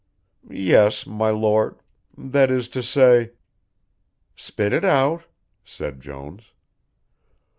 "Yes, my Lord that is to say " "Spit it out," said Jones.